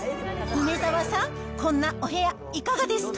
梅沢さん、こんなお部屋、いかがですか？